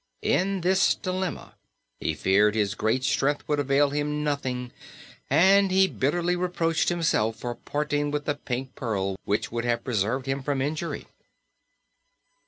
In this dilemma he feared his great strength would avail him nothing and he bitterly reproached himself for parting with the Pink Pearl, which would have preserved him from injury.